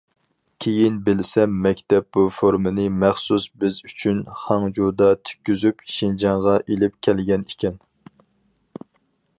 كېيىن بىلسەم، مەكتەپ بۇ فورمىنى مەخسۇس بىز ئۈچۈن خاڭجۇدا تىككۈزۈپ، شىنجاڭغا ئېلىپ كەلگەن ئىكەن.